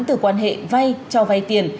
từ quan hệ vay cho vay tiền